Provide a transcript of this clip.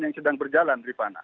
yang sedang berjalan rifana